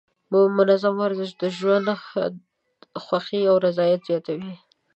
منظم ورزش د ژوند خوښۍ او رضایت زیاتوي.